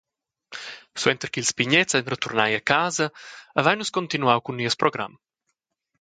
Suenter ch’ils pignets ein returnai a casa, havein nus cuntinuau cun nies program.